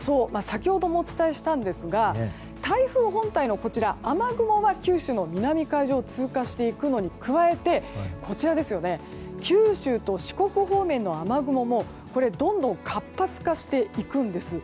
先ほどもお伝えしたんですが台風本体の雨雲は九州の南海上を通過していくのに加えて九州と四国方面の雨雲もどんどん活発化していくんです。